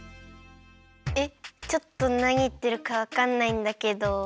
えっちょっとなにいってるかわかんないんだけど。